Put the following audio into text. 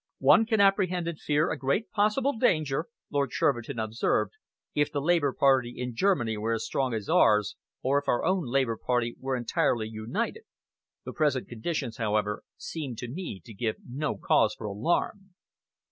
"One could apprehend and fear a great possible danger," Lord Shervinton observed, "if the Labour Party in Germany were as strong as ours, or if our own Labour Party were entirely united. The present conditions, however, seem to me to give no cause for alarm."